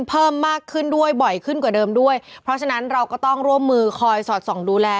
เพิ่มมากขึ้นด้วยบ่อยขึ้นกว่าเดิมด้วยเพราะฉะนั้นเราก็ต้องร่วมมือคอยสอดส่องดูแล